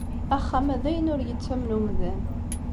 Axxam-a d ayen ur yettamen umdan.